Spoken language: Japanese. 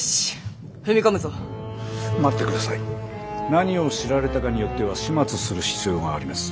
何を知られたかによっては始末する必要があります。